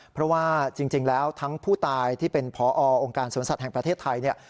เพราะว่าจริงแล้วทั้งผู้ตายที่เป็นพอองค์การสวนสัตว์แห่งประเทศไทยเนี่ย